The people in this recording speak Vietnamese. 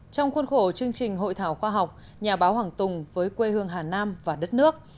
trong khuôn khổ chương trình hội thảo khoa học nhà báo hoàng tùng với quê hương hà nam và đất nước